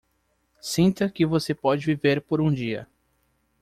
Sinta que você pode viver por um dia